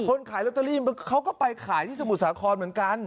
ขายลอตเตอรี่เขาก็ไปขายที่สมุทรสาครเหมือนกัน